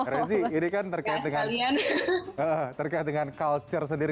rezi ini kan terkait dengan culture sendiri